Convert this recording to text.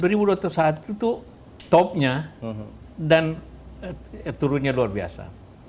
dua ribu dua ratus saat itu topnya dan turunnya luar biasa